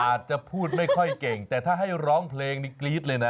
อาจจะพูดไม่ค่อยเก่งแต่ถ้าให้ร้องเพลงนี้กรี๊ดเลยนะ